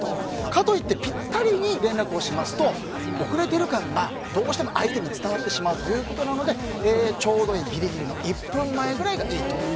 かといってピッタリに連絡をしますと遅れてる感がどうしても相手に伝わってしまうということなのでちょうどいいギリギリの１分前くらいがいいと。